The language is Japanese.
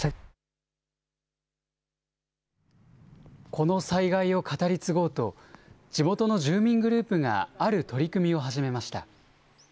この災害を語り継ごうと、地元の住民グループがある取り組みを始めました。